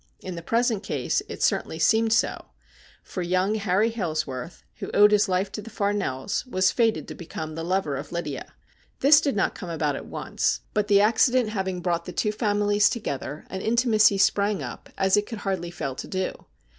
In the present case it certainly seemed so, for young Harry Hailsworth, who owed his life to the Farnells, was fated to become the lover of Lydia. This did not come about at once, but the accident having 252 STORIES WEIRD AND WONDERFUL brought the two families together an intimacy sprang up, as it could hardly fail to do.